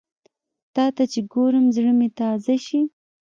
تاته چې ګورم، زړه مې تازه شي